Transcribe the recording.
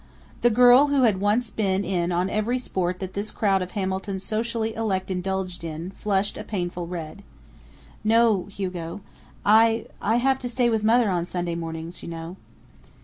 The girl who had once been in on every sport that this crowd of Hamilton's socially elect indulged in, flushed a painful red. "No, Hugo. I I have to stay with Mother on Sunday mornings, you know."